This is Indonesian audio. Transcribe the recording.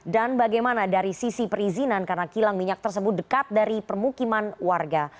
dan bagaimana dari sisi perizinan karena kilang minyak tersebut dekat dari permukiman warga